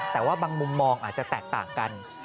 แต่ว่าบางมุมมองอาจจะแตกต่างกัน